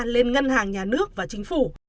lên ngân hàng nhà nước và chính phủ